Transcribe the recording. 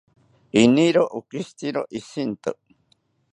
Iniro okishitziro ishinto